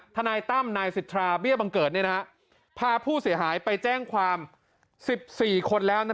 ทนายตั้มนายสิทธาเบี้ยบังเกิดพาผู้เสียหายไปแจ้งความ๑๔คนแล้ว